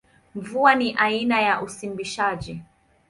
Mvua ni aina ya usimbishaji.